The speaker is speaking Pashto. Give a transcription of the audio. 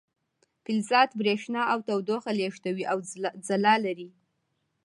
فلزات بریښنا او تودوخه لیږدوي او ځلا لري.